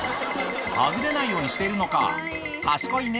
はぐれないようにしているのか。